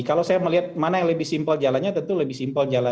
kalau saya melihat mana yang lebih simpel jalannya tentu lebih simpel jalan